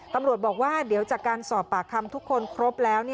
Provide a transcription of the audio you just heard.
ตำรวจบอกว่าเดี๋ยวจากการสอบปากคำทุกคนครบแล้ว